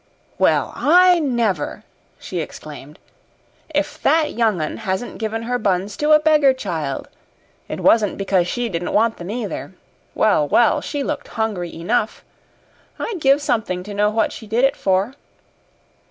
"Well, I never!" she exclaimed. "If that young un hasn't given her buns to a beggar child! It wasn't because she didn't want them, either. Well, well, she looked hungry enough. I'd give something to know what she did it for."